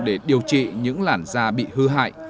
để điều trị những làn da bị hư hại